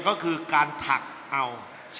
ก็คือการถักเอา